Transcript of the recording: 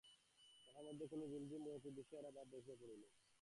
তাহার মাথার মধ্যে কেন বিমঝিম করিতেছিল, সে দিশহারা ভাবে বসিয়া পড়িল।